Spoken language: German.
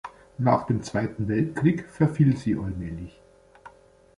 Nach dem Zweiten Weltkrieg verfiel sie allmählich.